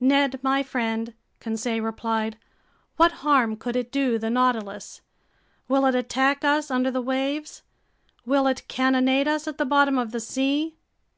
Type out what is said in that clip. "Ned my friend," Conseil replied, "what harm could it do the Nautilus? Will it attack us under the waves? Will it cannonade us at the bottom of the sea?"